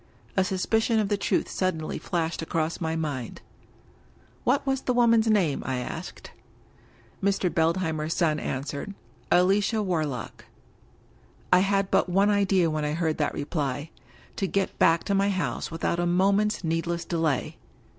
A suspicion of the truth suddenly flashed across my mind. '* What was the woman's name?" I asked. Mr. Beldheimer's son answered :" Alicia Warlock." I had but one idea when I heard that reply — ^to get back to my house without a moment's needless delay.